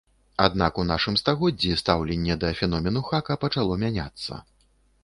Аднак у нашым стагоддзі стаўленне да феномену хака пачало мяняцца.